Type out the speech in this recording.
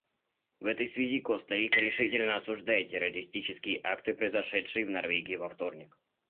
В этой связи Коста-Рика решительно осуждает террористические акты, произошедшие в Норвегии во вторник.